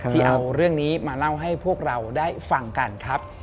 ที่เอาเรื่องนี้มาเล่าให้พวกเราได้ฟังกันครับ